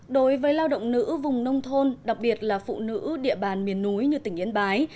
đối với lao động nữ vùng nông thôn đặc biệt là phụ nữ địa bàn miền núi như tỉnh yên bái